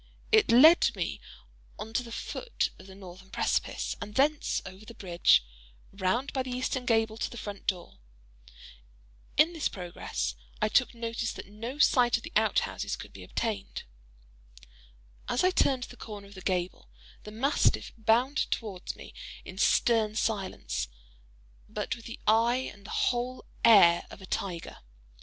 It led me on to the foot of the northern precipice, and thence over the bridge, round by the eastern gable to the front door. In this progress, I took notice that no sight of the out houses could be obtained. As I turned the corner of the gable, the mastiff bounded towards me in stern silence, but with the eye and the whole air of a tiger.